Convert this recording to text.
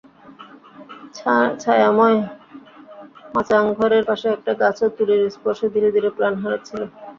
ছায়াময় মাচাংঘরের পাশে একটা গাছও তুলির স্পর্শে ধীরে ধীরে প্রাণ পাচ্ছিল।